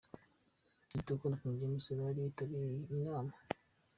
Kitoko na King James bari bitabiriye iyi nama.